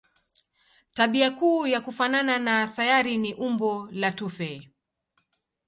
Tabia kuu ya kufanana na sayari ni umbo la tufe.